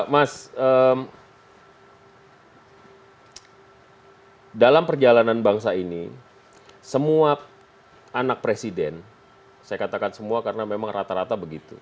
mas dalam perjalanan bangsa ini semua anak presiden saya katakan semua karena memang rata rata begitu